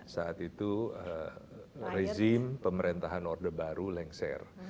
saat itu rezim pemerintahan orde baru lengser